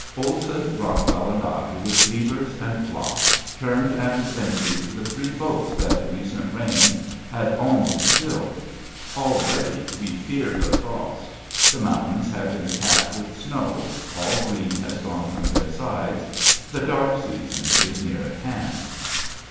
[Illustration: DAY] Olson, Rockwell, and I, with levers and blocks, turned and emptied the three boats that the recent rains had almost filled. Already we fear the frost. The mountains have been capped with snow, all green has gone from their sides; the dark season is near at hand.